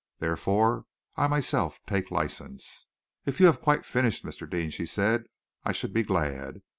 Therefore, I myself take license." "If you have quite finished, Mr. Deane," she said, "I should be glad.